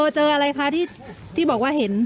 เจออะไรคะที่บอกว่าเห็น